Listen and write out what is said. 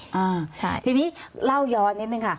อ่าใช่ทีนี้เล่าย้อนนิดนึงค่ะ